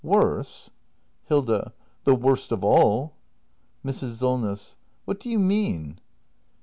] Worse? Hilda. The worst of all. Mrs. Solness. What do you mean